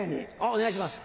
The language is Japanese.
お願いします。